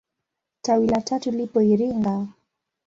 Tawi la tatu lipo Iringa.